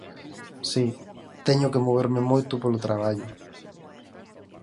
Si, teño que moverme moito polo traballo.